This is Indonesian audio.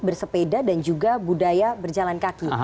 bersepeda dan juga budaya berjalan kaki